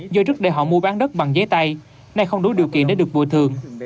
do trức để họ mua bán đất bằng giấy tay nay không đối điều kiện để được bồi thường